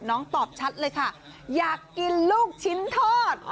ตอบชัดเลยค่ะอยากกินลูกชิ้นทอด